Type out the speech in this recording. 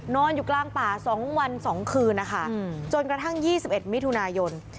นอนอยู่กลางป่า๒วัน๒คืนนะคะจนกระทั่ง๒๑มิถุนายน